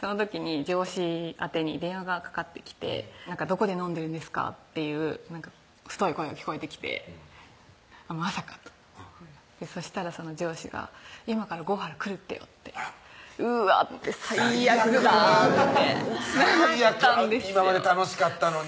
その時に上司宛に電話がかかってきて「どこで飲んでるんですか？」っていう太い声が聞こえてきてまさかとそしたらその上司が「今から郷原来るってよ」ってうわって最悪だって「最悪！今まで楽しかったのに」